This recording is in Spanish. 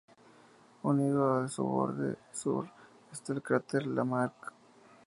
Unido a su borde sur está el cráter Lamarck.